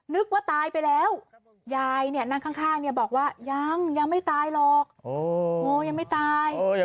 นึกว่าตายไปแล้วยายนั่งข้างบอกว่ายังยังไม่ตายหรอกโอ้ยังไม่ตาย